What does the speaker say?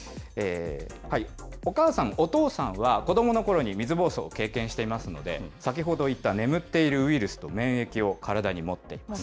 お母さん、お父さんは子どものころに水ぼうそうを経験していますので、先ほど言った眠っているウイルスと免疫を体に持っています。